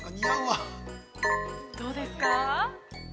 ◆どうですか。